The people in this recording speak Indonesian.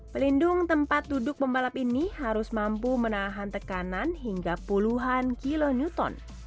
pelindung tempat duduk pembalap ini harus mampu menahan tekanan hingga puluhan kn